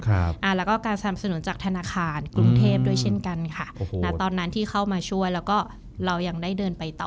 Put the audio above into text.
แล้วก็การสนับสนุนจากธนาคารกรุงเทพด้วยเช่นกันค่ะณตอนนั้นที่เข้ามาช่วยแล้วก็เรายังได้เดินไปต่อ